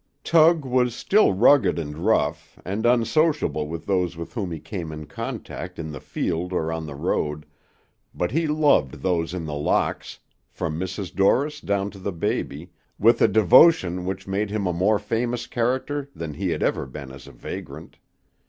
Tug was still rugged and rough, and unsociable with those with whom he came in contact in the field or on the road, but he loved those in The Locks, from Mrs. Dorris down to the baby, with a devotion which made him a more famous character than he had ever been as a vagrant.